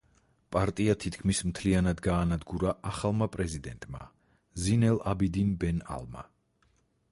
პარტია თითქმის მთლიანად გაანადგურა ახალმა პრეზიდენტმა ზინ ელ-აბიდინ ბენ ალმა.